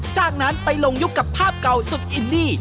จากนั้นไปลงยุคกับภาพเก่าสุดอินนี่